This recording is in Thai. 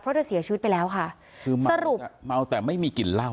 เพราะจะเสียชีวิตไปแล้วค่ะคือเมาแต่ไม่มีกลิ่นเล่า